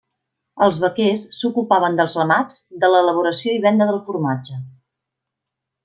Els vaquers s'ocupaven dels ramats, de l'elaboració i venda del formatge.